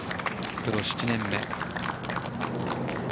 プロ７年目。